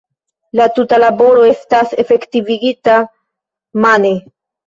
La tuta laboro estas efektivigita mane.